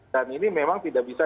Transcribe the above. dan ini memang tidak bisa